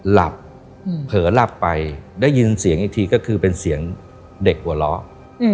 หลับเผลอหลับไปได้ยินเสียงอีกทีก็คือเป็นเสียงเด็กหัวเราะ